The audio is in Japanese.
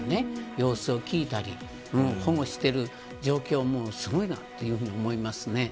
様子を聞いたり保護している状況はすごいなと思いますね。